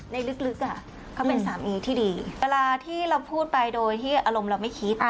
ลึกเขาเป็นสามีที่ดีเวลาที่เราพูดไปโดยที่อารมณ์เราไม่คิด